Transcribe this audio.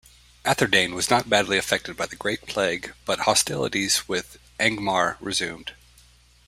Arthedain was not badly affected by the Great Plague, but hostilities with Angmar resumed.